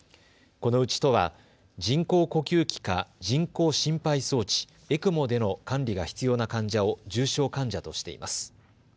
このうち都は人工呼吸器か人工心肺装置・ＥＣＭＯでの管理が必要な患者を重症患者としています。